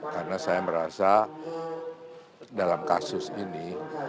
karena saya merasa dalam kasus ini